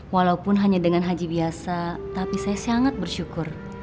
walaupun hanya dengan haji biasa tapi saya sangat bersyukur